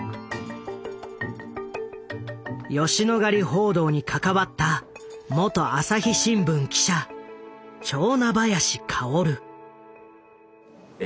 吉野ヶ里報道に関わったもと朝日新聞記者蝶名林薫。